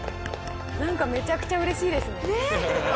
なんかめちゃくちゃ嬉しいですね。